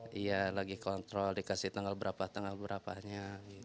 iya lagi kontrol dikasih tanggal berapa tanggal berapanya